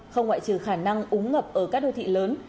không ngoại trừ khả năng úng ngập ở các đô thị lớn